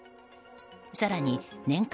更に、年間